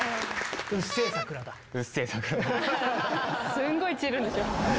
すんごい散るんでしょ。